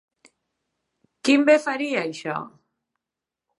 Quin bé faria això?